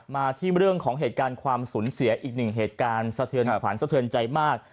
มาที่เรื่องของเหตุการณ์ความสูญเสียอีกหนึ่งเหตุการณ์สะเทือนขวัญสะเทือนใจมาก